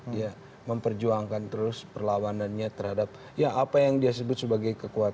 dia memperjuangkan terus perlawanannya terhadap ya apa yang dia sebut sebagai kekuatan